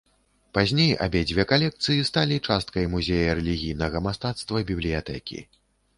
Пазней абедзве калекцыі сталі часткай музея рэлігійнага мастацтва бібліятэкі.